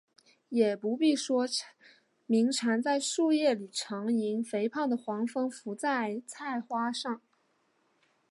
也不必说鸣蝉在树叶里长吟，肥胖的黄蜂伏在菜花上